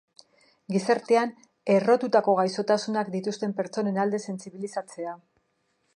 Gizartean errotutako gaixotasunak dituzten pertsonen alde sentsibilizatzea.